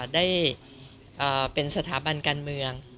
ได้เป็นสถาบันการเมือง